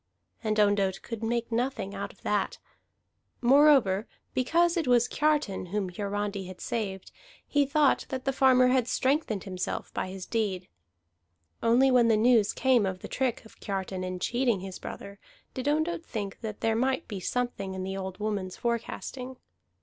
And Ondott could make nothing out of that; moreover, because it was Kiartan whom Hiarandi had saved, he thought that the farmer had strengthened himself by his deed. For only when the news came of the trick of Kiartan in cheating his brother did Ondott think that there might be something in the old woman's forecasting.